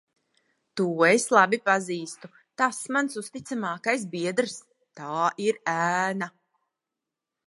To es labi pazīstu. Tas mans uzticamākais biedrs. Tā ir ēna.